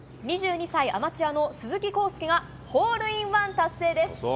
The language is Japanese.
２２歳アマチュアの鈴木晃祐がホールインワン達成です。